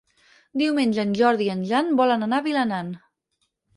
Diumenge en Jordi i en Jan volen anar a Vilanant.